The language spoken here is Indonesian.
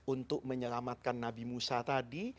untuk menyelamatkan nabi musa tadi